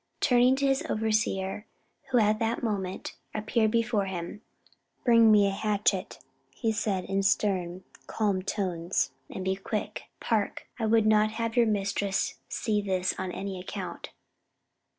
Turning to his overseer, who at that moment appeared before him, "Bring me a hatchet," he said in stern, calm tones, "and be quick, Park; I would not have your mistress see this on any account."